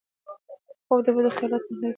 خوب د بدو خیالاتو مخنیوی کوي